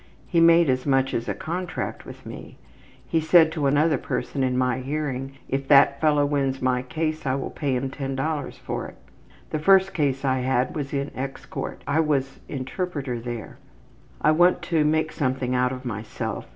He made as much as a contract with me. He said to another person in my hearing, if that fellow wins my case I will pay him $10 for it. The first case I had was in X court. I was interpreter there. I want to make something out of myself.